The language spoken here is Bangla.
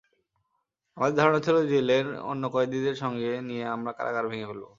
আমাদের ধারণা ছিল, জেলের অন্য কয়েদিদের সঙ্গে নিয়ে আমরা কারাগার ভেঙে ফেলব।